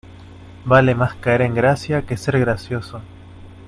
Vale más caer en gracia, que ser gracioso.